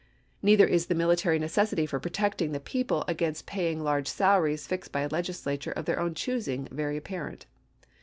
Neither is the military necessity for protecting the people against paying large salaries fixed by a legislature of their own choosing very apparent.